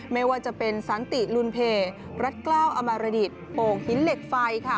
ไม่ว่าจะเป็นสันติลุนเพรัฐกล้าวอมรดิตโป่งหินเหล็กไฟค่ะ